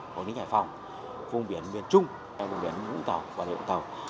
vùng biển hải phòng vùng biển nguyên trung vùng biển vũng tàu